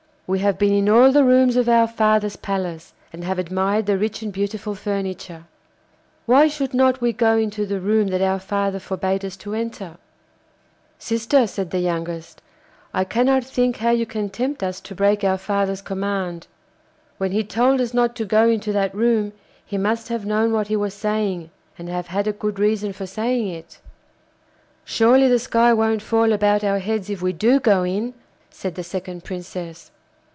We have been in all the rooms of our father's palace, and have admired the rich and beautiful furniture: why should not we go into the room that our father forbad us to enter?' 'Sister,' said the youngest, 'I cannot think how you can tempt us to break our father's command. When he told us not to go into that room he must have known what he was saying, and have had a good reason for saying it.' 'Surely the sky won't fall about our heads if we do go in,' said the second Princess.